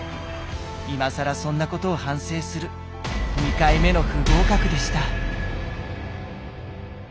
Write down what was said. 今更そんなことを反省する２回目の不合格でした。